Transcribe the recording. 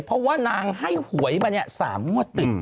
เพราะว่านางให้หวยมาเนี่ย๓มวลติด